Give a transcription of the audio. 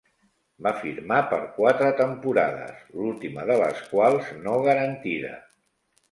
Va firmar per quatre temporades, l'última de les quals no garantida.